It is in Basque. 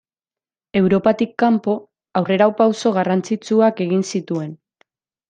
Europatik kanpo, aurrerapauso garrantzitsuak egin zituen.